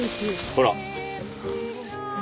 ほら。